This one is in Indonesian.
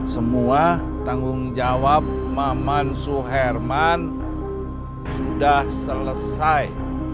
semua tanggung jawab maman suherman sudah selesai